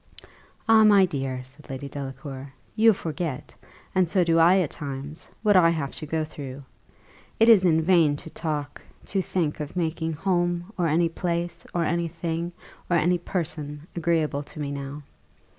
"Ah, my dear!" said Lady Delacour, "you forget, and so do I at times, what I have to go through. It is in vain to talk, to think of making home, or any place, or any thing, or any person, agreeable to me now.